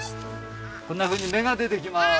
こんなふうに芽が出てきます。